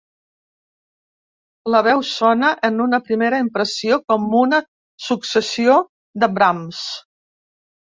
La veu sona, en una primera impressió, com una successió de brams.